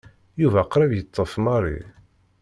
Yuba qrib yeṭṭef Mary.